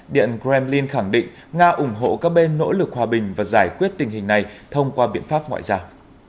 điện kremlin khẳng định nga ủng hộ các bên nỗ lực hòa bình và giải quyết tình hình này thông qua biện pháp ngoại giao